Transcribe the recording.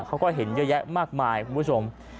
เขาก็เห็นเยอะแยะมากมายคุณผู้ชม